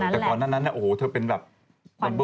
อ๋อแต่ก่อนนั้นนะโอ้โหเธอเป็นแบบ